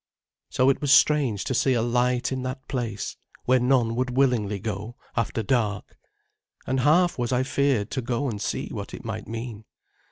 So it was strange to see a light in that place, where none would willingly go after dark, and half was I feared to go and see what it might mean.